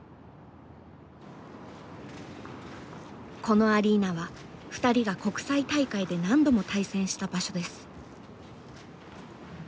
このアリーナは２人が国際大会で何度も対戦した場所です。